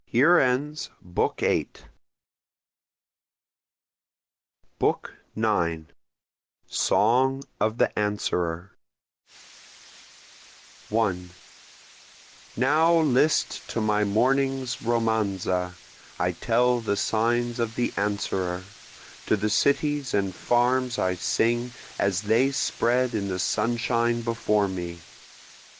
BOOK IX Song of the Answerer 1 Now list to my morning's romanza, I tell the signs of the Answerer, To the cities and farms I sing as they spread in the sunshine before me.